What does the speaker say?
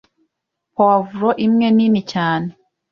puwavro imwe nini cyane